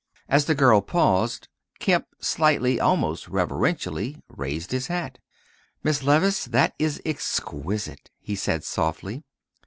'" As the girl paused, Kemp slightly, almost reverentially, raised his hat. "Miss Levice, that is exquisite," he said softly.